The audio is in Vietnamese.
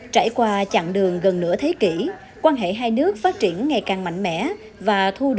trải qua chặng đường gần nửa thế kỷ quan hệ hai nước phát triển ngày càng mạnh mẽ và thu được nhiều thành quả